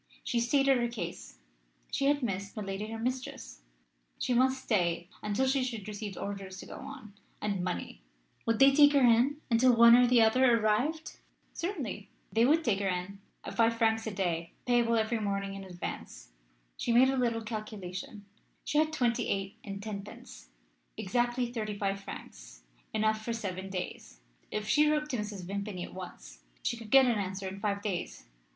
She stated her case she had missed milady her mistress she must stay until she should receive orders to go on, and money would they take her in until one or the other arrived? Certainly. They would take her in, at five francs a day, payable every morning in advance. She made a little calculation she had twenty eight and tenpence; exactly thirty five francs enough for seven days. If she wrote to Mrs. Vimpany at once she could get an answer in five days.